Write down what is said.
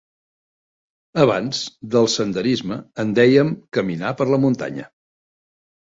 Abans del senderisme en dèiem caminar per la muntanya.